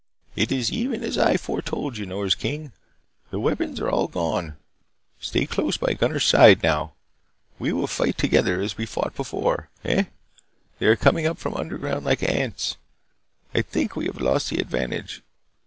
"It is even as I foretold you, Nors King. The weapons are all gone. Stay close by Gunnar's side now. We will fight together, as we fought before. Eh, they are coming up from underground like ants. I think we have lost the advantage.